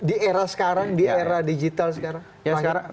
di era sekarang di era digital sekarang